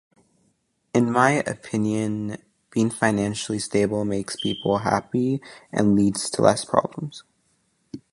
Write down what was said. In my opinion, being financially stable makes people happy and leads to less problems.